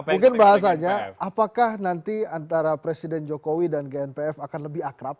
mungkin bahasanya apakah nanti antara presiden jokowi dan gnpf akan lebih akrab